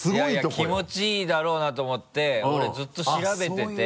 いやいや気持ちいいだろうなと思って俺ずっと調べてて。